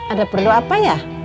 ada perlu apa ya